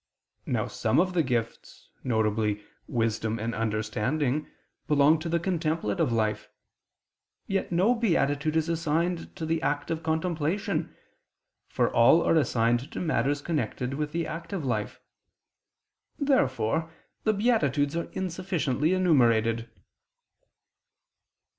Now some of the gifts, viz. wisdom and understanding, belong to the contemplative life: yet no beatitude is assigned to the act of contemplation, for all are assigned to matters connected with the active life. Therefore the beatitudes are insufficiently enumerated.